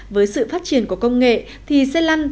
với sự phát triển của công nghệ thì xe lăn